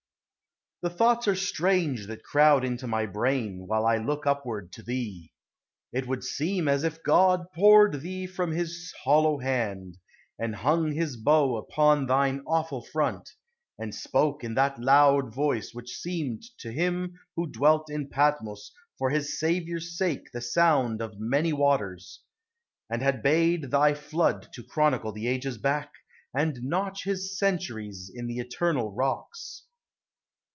The thoughts are strange that crowd into my brain, While I look upward to thee. It would seem As if God poured thee from his hollow hand, And hung his bow upon thine awful front, And spoke in that loud voice which seemed to him Who dwelt in Patmos for his Saviour's sake The sound of many waters; and had bade Thy flood to chronicle the ages back. And notch his centuries in the eternal rocks.